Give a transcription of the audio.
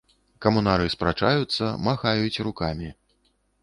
Камунары спрачаюцца, махаюць рукамі.